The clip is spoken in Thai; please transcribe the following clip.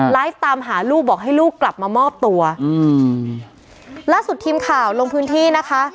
ตามหาลูกบอกให้ลูกกลับมามอบตัวอืมล่าสุดทีมข่าวลงพื้นที่นะคะ